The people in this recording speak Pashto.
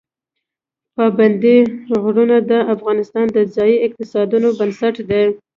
پابندی غرونه د افغانستان د ځایي اقتصادونو بنسټ دی.